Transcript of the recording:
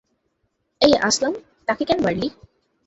এই আসলাম, তাকে কেন মারলি?